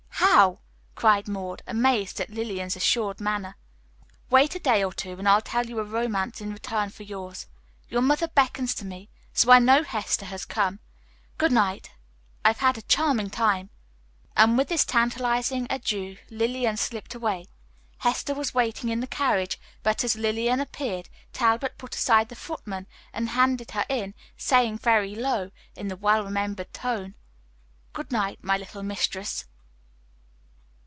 "How?" cried Maud, amazed at Lillian's assured manner. "Wait a day or two and, I'll tell you a romance in return for yours. Your mother beckons to me, so I know Hester has come. Good night. I've had a charming time." And with this tantalizing adieu, Lillian slipped away. Hester was waiting in the carriage, but as Lillian appeared, Talbot put aside the footman and handed her in, saying very low, in the well remembered tone: "Good night, my little mistress."